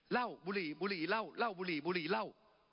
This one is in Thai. เล่าบุหรี่บุหรี่เล่าเล่าบุหรี่บุหรี่เล่า